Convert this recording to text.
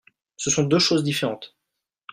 Ce sont deux choses différentes